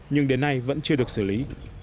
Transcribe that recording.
nhưng đến nay vẫn chưa được xử lý